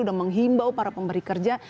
sudah menghimbau para pemberi kerja